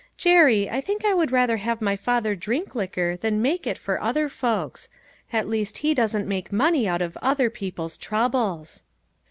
"Jerry, I think I would rather have my father drink liquor than make it for other folks. At least he doesn't make money out of other people's troubles."